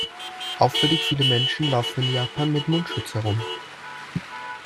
Auffällig viele Menschen laufen in Japan mit Mundschutz herum.